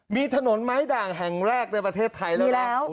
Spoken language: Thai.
มีถนนไม้ด่างแห่งแรกในประเทศไทยแล้ว